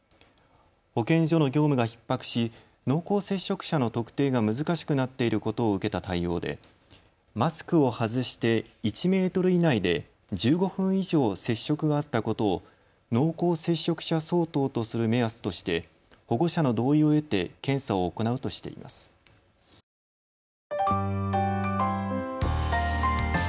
保健所の業務がひっ迫し濃厚接触者の特定が難しくなっていることを受けた対応でマスクを外して１メートル以内で１５分以上、接触があったことを濃厚接触者相当とする目安として保護者の同意を得て検査を行うとしています。